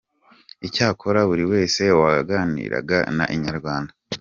Icyakora buri wese waganiraga na Inyarwanda.